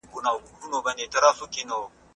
خاطرې د انسان د ژوند پانګه ده.